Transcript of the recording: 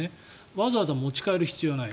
わざわざ持ち帰る必要はない。